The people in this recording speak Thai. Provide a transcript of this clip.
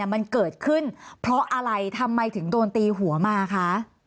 มันเกิดขึ้นเพราะอะไรทำไมถึงโดนตีหัวมาคะ